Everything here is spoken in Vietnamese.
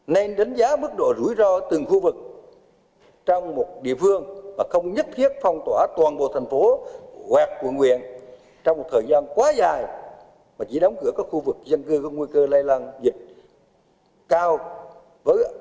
nên đánh giá mức độ rủi ro từng khu vực trong một địa phương mà không nhất thiết phong tỏa toàn bộ